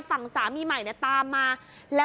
ฝั่งสามีใหม่ตามมา